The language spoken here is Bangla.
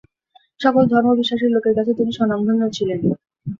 সকল ধর্ম বিশ্বাসের লোকের কাছে তিনি স্বনামধন্য ছিলেন।